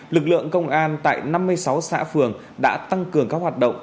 lực lượng công an tại năm mươi sáu xã phường đã tăng cường các hoạt động